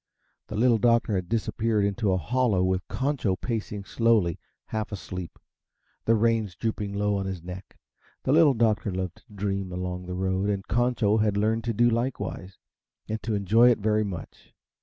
The Little Doctor had disappeared into a hollow with Concho pacing slowly, half asleep, the reins drooping low on his neck. The Little Doctor loved to dream along the road, and Concho had learned to do likewise and to enjoy it very much.